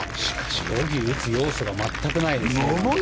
ボギーを打つ要素が全くないですね。